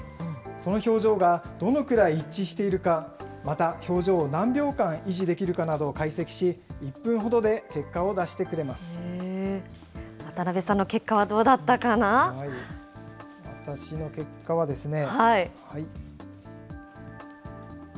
その表情がどのくらい一致しているか、また表情を何秒間維持できるかなどを解析し、渡部さんの結果はどうだった私の結果はですね。